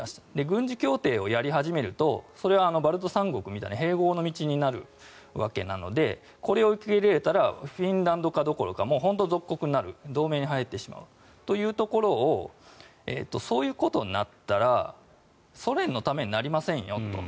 軍事協定をやり始めるとそれはバルト三国みたいな併合の道になるわけなのでこれを受け入れたらフィンランド化どころかもう本当に属国になる同盟に入ってしまうということをそういうことになったらソ連のためになりませんよと。